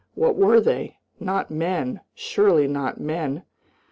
What were they? Not men surely not men?